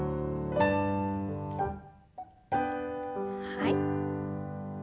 はい。